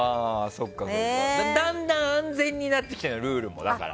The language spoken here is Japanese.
だんだん安全になってきたのよルールも。